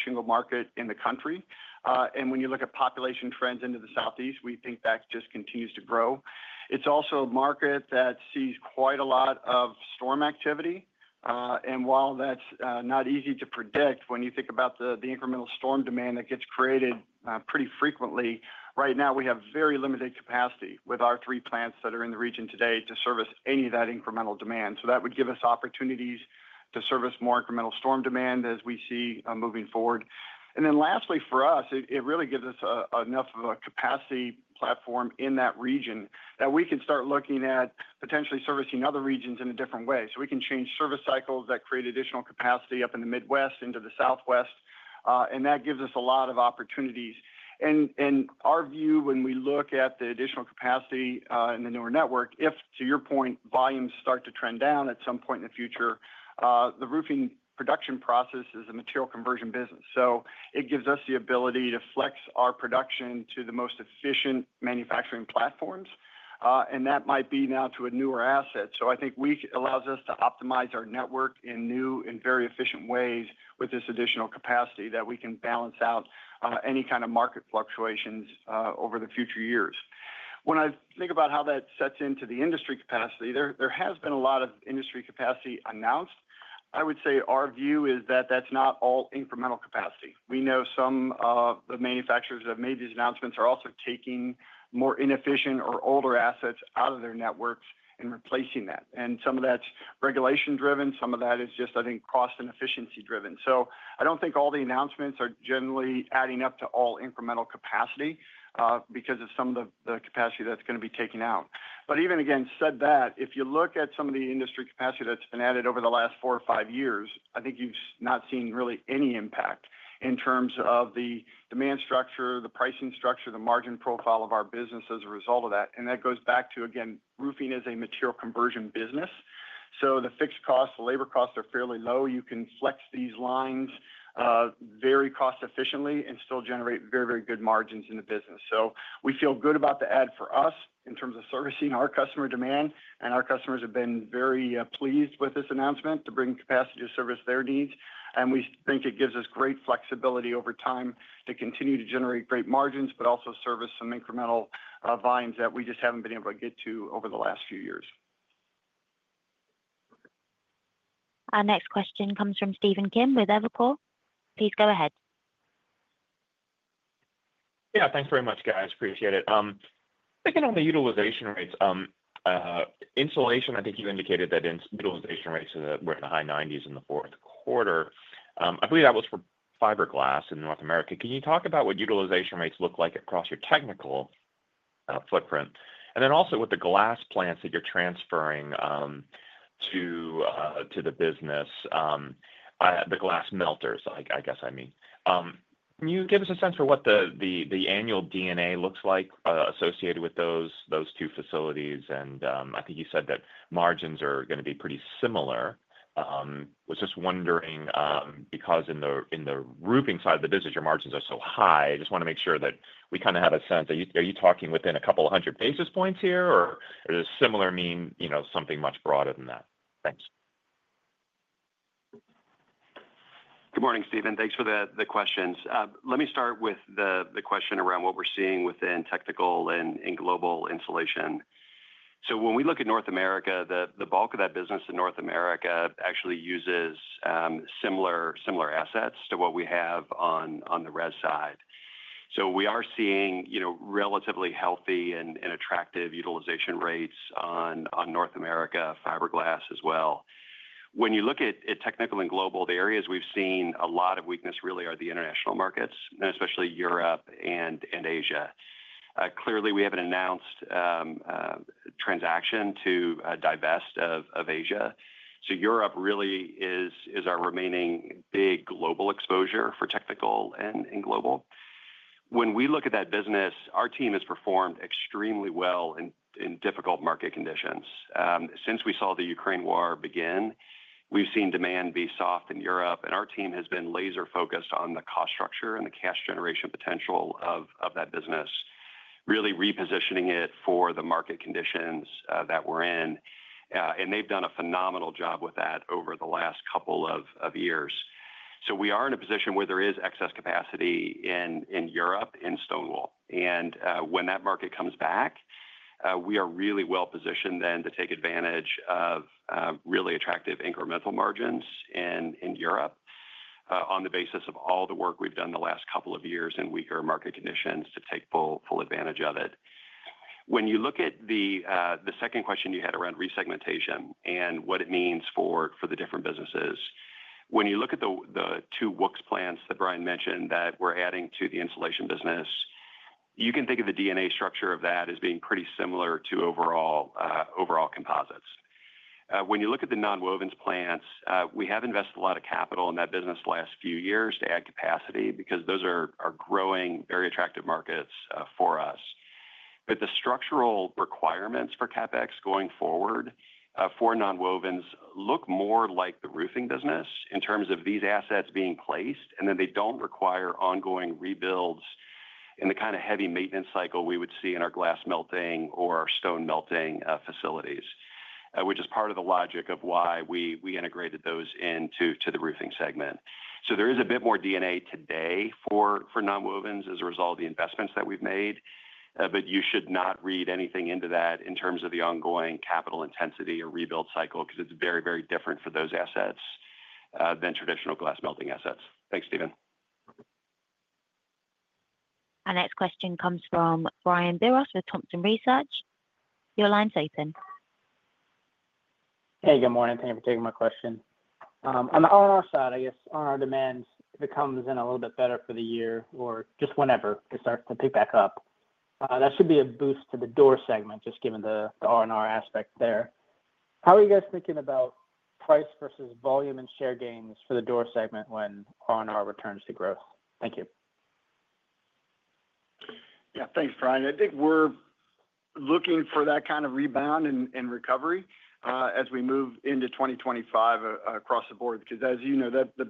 S3: shingle market in the country. And when you look at population trends into the Southeast, we think that just continues to grow. It's also a market that sees quite a lot of storm activity. And while that's not easy to predict when you think about the incremental storm demand that gets created pretty frequently, right now we have very limited capacity with our three plants that are in the region today to service any of that incremental demand. So that would give us opportunities to service more incremental storm demand as we see moving forward. And then lastly, for us, it really gives us enough of a capacity platform in that region that we can start looking at potentially servicing other regions in a different way. So we can change service cycles that create additional capacity up in the Midwest into the Southwest. And that gives us a lot of opportunities. And our view, when we look at the additional capacity in the newer network, if, to your point, volumes start to trend down at some point in the future, the Roofing production process is a material conversion business. So it gives us the ability to flex our production to the most efficient manufacturing platforms. And that might be now to a newer asset. So I think it allows us to optimize our network in new and very efficient ways with this additional capacity that we can balance out any kind of market fluctuations over the future years. When I think about how that fits into the industry capacity, there has been a lot of industry capacity announced. I would say our view is that that's not all incremental capacity. We know some of the manufacturers that have made these announcements are also taking more inefficient or older assets out of their networks and replacing that. And some of that's regulation-driven. Some of that is just, I think, cost and efficiency-driven. So I don't think all the announcements are generally adding up to all incremental capacity because of some of the capacity that's going to be taken out. But even as I said that, if you look at some of the industry capacity that's been added over the last four or five years, I think you have not seen really any impact in terms of the demand structure, the pricing structure, the margin profile of our business as a result of that. And that goes back to, again, Roofing is a material conversion business. So the fixed costs, the labor costs are fairly low. You can flex these lines very cost-efficiently and still generate very, very good margins in the business. So we feel good about the add for us in terms of servicing our customer demand. And our customers have been very pleased with this announcement to bring capacity to service their needs. And we think it gives us great flexibility over time to continue to generate great margins, but also service some incremental volumes that we just haven't been able to get to over the last few years.
S1: Our next question comes from Stephen Kim with Evercore. Please go ahead.
S10: Yeah. Thanks very much, guys. Appreciate it. Thinking on the utilization rates, Insulation, I think you indicated that utilization rates were in the high 90s in the fourth quarter. I believe that was for fiberglass in North America. Can you talk about what utilization rates look like across your technical footprint? And then also with the glass plants that you're transferring to the business, the glass melters, I guess I mean. Can you give us a sense for what the annual D&A looks like associated with those two facilities? And I think you said that margins are going to be pretty similar. I was just wondering because in the Roofing side of the business, your margins are so high. I just want to make sure that we kind of have a sense. Are you talking within a couple of hundred basis points here, or does similar mean something much broader than that? Thanks.
S4: Good morning, Stephen. Thanks for the questions. Let me start with the question around what we're seeing within Technical and Global Insulation. So when we look at North America, the bulk of that business in North America actually uses similar assets to what we have on the res side. So we are seeing relatively healthy and attractive utilization rates on North America fiberglass as well. When you look at Technical and Global, the areas we've seen a lot of weakness really are the international markets, and especially Europe and Asia. Clearly, we have an announced transaction to divest of Asia. So Europe really is our remaining big global exposure for Technical and Global. When we look at that business, our team has performed extremely well in difficult market conditions. Since we saw the Ukraine war begin, we've seen demand be soft in Europe. And our team has been laser-focused on the cost structure and the cash generation potential of that business, really repositioning it for the market conditions that we're in. And they've done a phenomenal job with that over the last couple of years. So we are in a position where there is excess capacity in Europe and stone wool. And when that market comes back, we are really well positioned then to take advantage of really attractive incremental margins in Europe on the basis of all the work we've done the last couple of years in weaker market conditions to take full advantage of it. When you look at the second question you had around resegmentation and what it means for the different businesses, when you look at the two WUCS plants that Brian mentioned that we're adding to the Insulation business, you can think of the D&A structure of that as being pretty similar to overall Composites. When you look at the non-woven plants, we have invested a lot of capital in that business the last few years to add capacity because those are growing very attractive markets for us. But the structural requirements for CapEx going forward for nonwovens look more like the Roofing business in terms of these assets being placed, and then they don't require ongoing rebuilds in the kind of heavy maintenance cycle we would see in our glass melting or our stone melting facilities, which is part of the logic of why we integrated those into the Roofing segment. So there is a bit more D&A today for nonwovens as a result of the investments that we've made. But you should not read anything into that in terms of the ongoing capital intensity or rebuild cycle because it's very, very different for those assets than traditional glass melting assets. Thanks, Stephen.
S1: Our next question comes from Brian Biros with Thompson Research. Your line is open.
S11: Hey, good morning. Thank you for taking my question. On the R&R side, I guess on our demands, if it comes in a little bit better for the year or just whenever it starts to pick back up, that should be a boost to the door segment just given the R&R aspect there. How are you guys thinking about price versus volume and share gains for the door segment when R&R returns to growth? Thank you.
S3: Yeah. Thanks, Brian. I think we're looking for that kind of rebound and recovery as we move into 2025 across the board because, as you know, the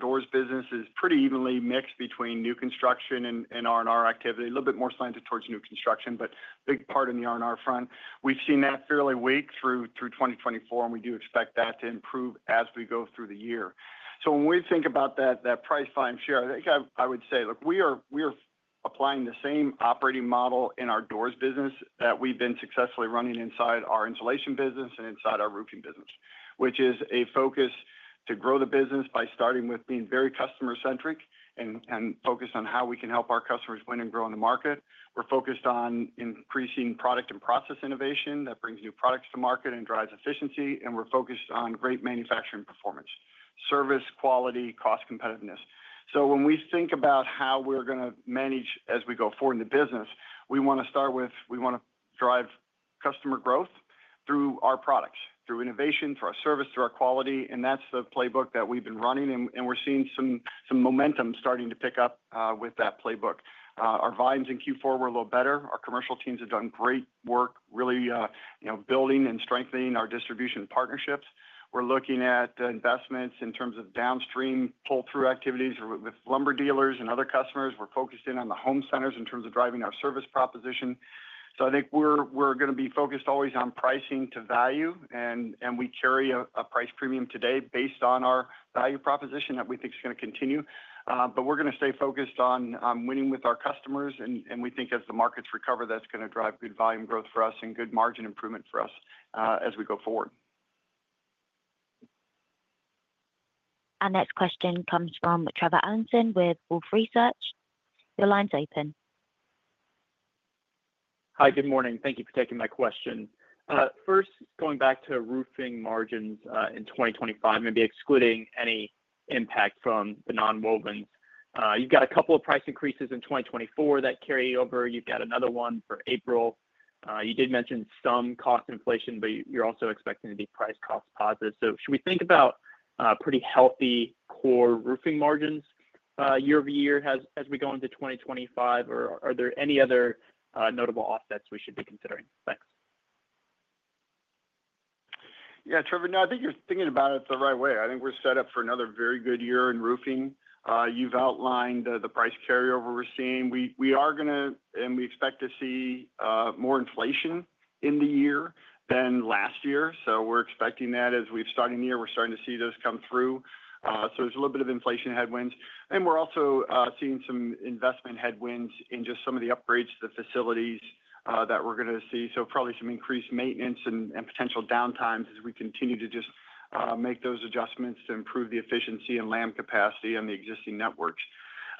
S3: Doors business is pretty evenly mixed between new construction and R&R activity, a little bit more slanted towards new construction, but a big part in the R&R front. We've seen that fairly weak through 2024, and we do expect that to improve as we go through the year. So when we think about that price volume share, I think I would say, look, we are applying the same operating model in our Doors business that we've been successfully running inside our Insulation business and inside our Roofing business, which is a focus to grow the business by starting with being very customer-centric and focused on how we can help our customers win and grow in the market. We're focused on increasing product and process innovation that brings new products to market and drives efficiency, and we're focused on great manufacturing performance, service quality, cost competitiveness, so when we think about how we're going to manage as we go forward in the business, we want to start with. We want to drive customer growth through our products, through innovation, through our service, through our quality, and that's the playbook that we've been running. We're seeing some momentum starting to pick up with that playbook. Our volumes in Q4 were a little better. Our commercial teams have done great work, really building and strengthening our distribution partnerships. We're looking at investments in terms of downstream pull-through activities with lumber dealers and other customers. We're focused in on the home centers in terms of driving our service proposition. I think we're going to be focused always on pricing to value. We carry a price premium today based on our value proposition that we think is going to continue. We're going to stay focused on winning with our customers. We think as the markets recover, that's going to drive good volume growth for us and good margin improvement for us as we go forward.
S1: Our next question comes from Trevor Allinson with Wolfe Research. Your line is open.
S12: Hi. Good morning. Thank you for taking my question. First, going back to Roofing margins in 2025, maybe excluding any impact from the nonwovens, you've got a couple of price increases in 2024 that carry over. You've got another one for April. You did mention some cost inflation, but you're also expecting to be price cost positive. So should we think about pretty healthy core Roofing margins year-over-year as we go into 2025, or are there any other notable offsets we should be considering? Thanks.
S3: Yeah, Trevor, no, I think you're thinking about it the right way. I think we're set up for another very good year in Roofing. You've outlined the price carryover we're seeing. We are going to, and we expect to see more inflation in the year than last year. So we're expecting that as we've started the year, we're starting to see those come through. So there's a little bit of inflation headwinds. And we're also seeing some investment headwinds in just some of the upgrades to the facilities that we're going to see. So probably some increased maintenance and potential downtimes as we continue to just make those adjustments to improve the efficiency and LAM capacity on the existing networks.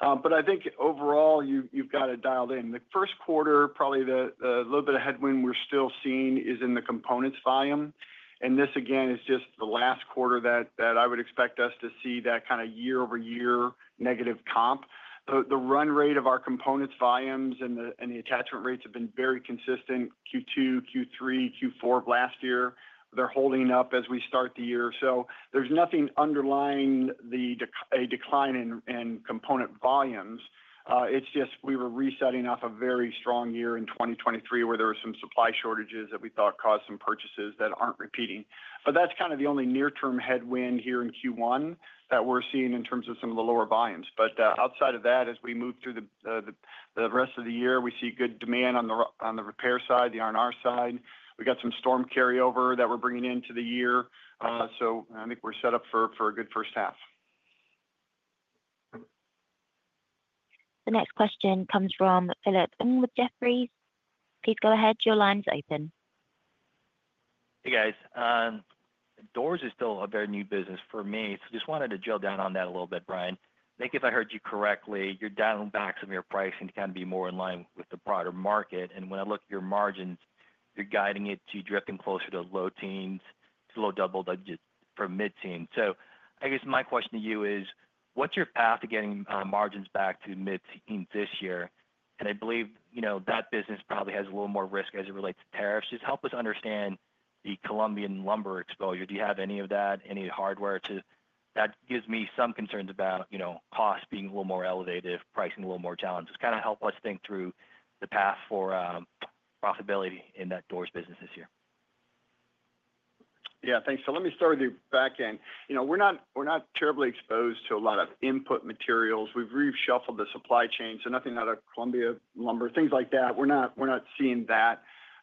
S3: But I think overall, you've got it dialed in. The first quarter, probably the little bit of headwind we're still seeing is in the components volume. And this, again, is just the last quarter that I would expect us to see that kind of year-over-year negative comp. The run rate of our components volumes and the attachment rates have been very consistent Q2, Q3, Q4 of last year. They're holding up as we start the year. So there's nothing underlying a decline in component volumes. It's just we were resetting off a very strong year in 2023 where there were some supply shortages that we thought caused some purchases that aren't repeating. But that's kind of the only near-term headwind here in Q1 that we're seeing in terms of some of the lower volumes. But outside of that, as we move through the rest of the year, we see good demand on the repair side, the R&R side. We've got some storm carryover that we're bringing into the year. So I think we're set up for a good first half.
S1: The next question comes from Philip Ng with Jefferies. Please go ahead. Your line is open.
S13: Hey, guys. Doors is still a very new business for me. So just wanted to drill down on that a little bit, Brian. I think if I heard you correctly, you're dialing back some of your pricing to kind of be more in line with the broader market, and when I look at your margins, you're guiding it to drifting closer to low teens, to low double digits for mid-teens, so I guess my question to you is, what's your path to getting margins back to mid-teens this year? And I believe that business probably has a little more risk as it relates to tariffs. Just help us understand the Colombian lumber exposure. Do you have any of that, any hard data to that gives me some concerns about costs being a little more elevated, pricing a little more challenged. Just kind of help us think through the path for profitability in that Doors business this year.
S3: Yeah. Thanks, so let me start with the back end. We're not terribly exposed to a lot of input materials. We've reshuffled the supply chain. So nothing out of Colombia lumber, things like that. We're not seeing that.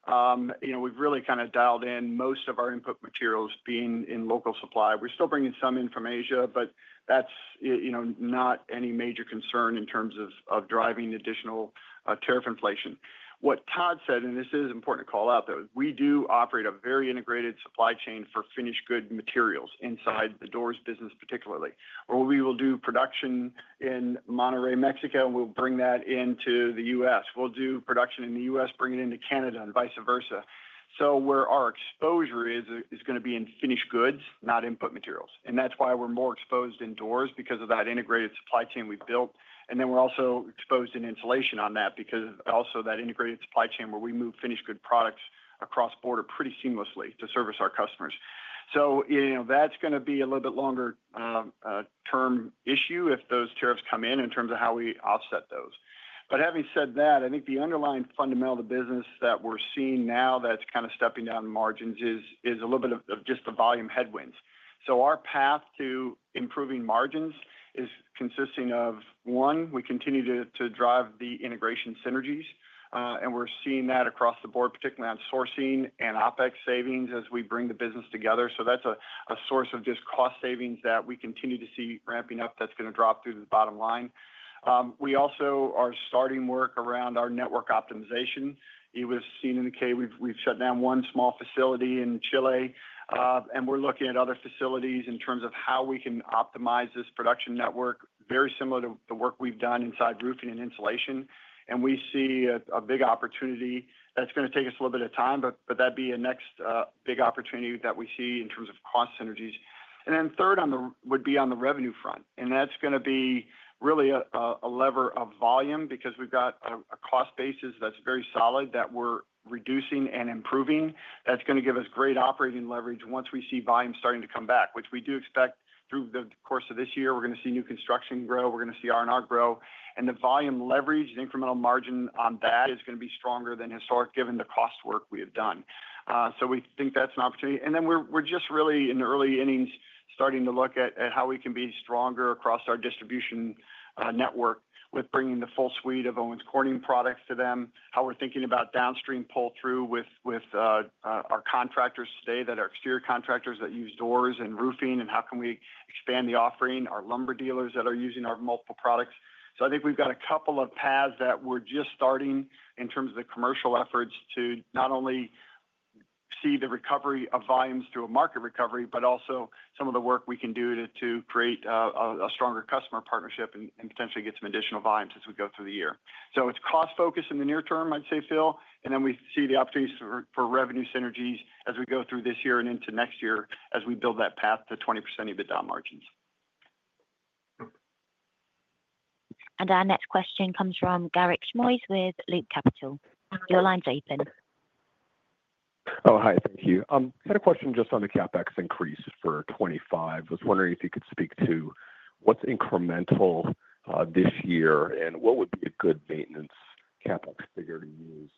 S3: We've really kind of dialed in most of our input materials being in local supply. We're still bringing some in from Asia, but that's not any major concern in terms of driving additional tariff inflation. What Todd said, and this is important to call out, though, is we do operate a very integrated supply chain for finished good materials inside the Doors business particularly. Or we will do production in Monterrey, Mexico, and we'll bring that into the U.S. We'll do production in the U.S., bring it into Canada, and vice versa. So where our exposure is going to be in finished goods, not input materials. And that's why we're more exposed in Doors because of that integrated supply chain we've built. And then we're also exposed in Insulation on that because also that integrated supply chain where we move finished good products across border pretty seamlessly to service our customers. So that's going to be a little bit longer-term issue if those tariffs come in in terms of how we offset those. But having said that, I think the underlying fundamental of the business that we're seeing now that's kind of stepping down margins is a little bit of just the volume headwinds. So our path to improving margins is consisting of, one, we continue to drive the integration synergies. And we're seeing that across the board, particularly on sourcing and OpEx savings as we bring the business together. So that's a source of just cost savings that we continue to see ramping up that's going to drop through the bottom line. We also are starting work around our network optimization. You would have seen in the case, we've shut down one small facility in Chile. And we're looking at other facilities in terms of how we can optimize this production network, very similar to the work we've done inside Roofing and Insulation. And we see a big opportunity. That's going to take us a little bit of time, but that'd be a next big opportunity that we see in terms of cost synergies. And then third would be on the revenue front. And that's going to be really a lever of volume because we've got a cost basis that's very solid that we're reducing and improving. That's going to give us great operating leverage once we see volume starting to come back, which we do expect through the course of this year. We're going to see new construction grow. We're going to see R&R grow. And the volume leverage and incremental margin on that is going to be stronger than historic given the cost work we have done. So we think that's an opportunity. And then we're just really in the early innings starting to look at how we can be stronger across our distribution network with bringing the full suite of Owens Corning products to them, how we're thinking about downstream pull-through with our contractors today that are exterior contractors that use Doors and Roofing, and how we can expand the offering to our lumber dealers that are using our multiple products. So I think we've got a couple of paths that we're just starting in terms of the commercial efforts to not only see the recovery of volumes through a market recovery, but also some of the work we can do to create a stronger customer partnership and potentially get some additional volumes as we go through the year. So it's cost focus in the near term, I'd say, Phil. And then we see the opportunities for revenue synergies as we go through this year and into next year as we build that path to 20% EBITDA margins.
S1: And our next question comes from Garik Shmois with Loop Capital. Your line is open.
S14: Oh, hi. Thank you. I had a question just on the CapEx increase for 2025. I was wondering if you could speak to what's incremental this year and what would be a good maintenance CapEx figure to use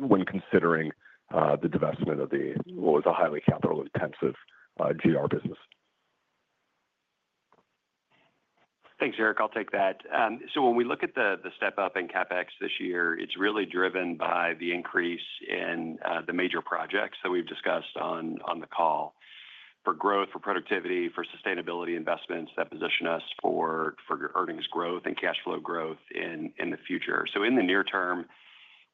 S14: when considering the divestment of the, what was a highly capital-intensive GR business?
S4: Thanks, Garik. I'll take that. So when we look at the step-up in CapEx this year, it's really driven by the increase in the major projects that we've discussed on the call for growth, for productivity, for sustainability investments that position us for earnings growth and cash flow growth in the future. So in the near term,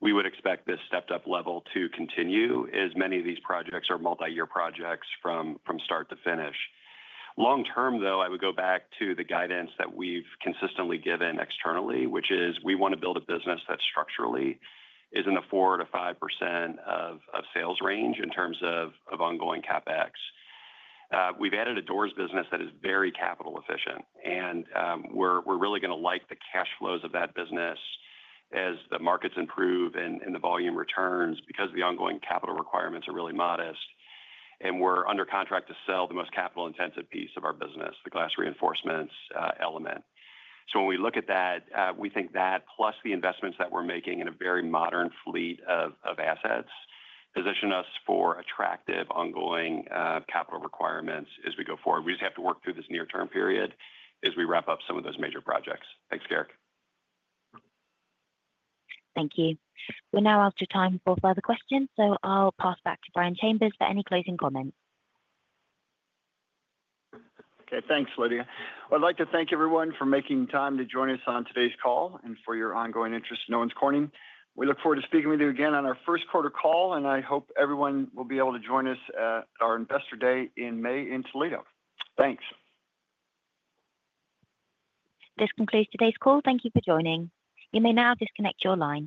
S4: we would expect this stepped-up level to continue as many of these projects are multi-year projects from start to finish. Long term, though, I would go back to the guidance that we've consistently given externally, which is we want to build a business that structurally is in the 4%-5% of sales range in terms of ongoing CapEx. We've added a Doors business that is very capital-efficient, and we're really going to like the cash flows of that business as the markets improve and the volume returns because the ongoing capital requirements are really modest. We're under contract to sell the most capital-intensive piece of our business, the glass reinforcements element. So when we look at that, we think that plus the investments that we're making in a very modern fleet of assets position us for attractive ongoing capital requirements as we go forward. We just have to work through this near-term period as we wrap up some of those major projects. Thanks, Garik.
S1: Thank you. We're now out of time for further questions. So I'll pass back to Brian Chambers for any closing comments.
S3: Okay. Thanks, Lydia. I'd like to thank everyone for making time to join us on today's call and for your ongoing interest in Owens Corning. We look forward to speaking with you again on our first quarter call. And I hope everyone will be able to join us at our investor day in May in Toledo. Thanks.
S1: This concludes today's call. Thank you for joining. You may now disconnect your line.